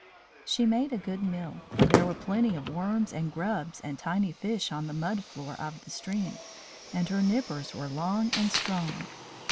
She made a good meal, for there were plenty of worms and grubs and tiny fish on the mud floor of the stream, and her nippers were long and strong.